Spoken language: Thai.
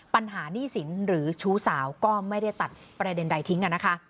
ปัญหานี่สินหรือชูสาวก็ไม่ได้ตัดประเด็นใดทิ้ง